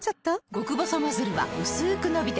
極細ノズルはうすく伸びて